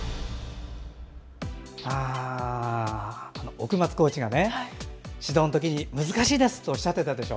奥松コーチが指導のときに難しいですとおっしゃってたでしょ。